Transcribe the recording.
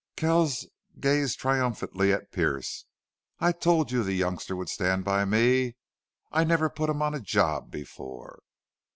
Kells gazed triumphantly at Pearce. "I told you the youngster would stand by me. I never put him on a job before."